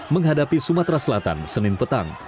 menghadapi sumatera selatan senin petang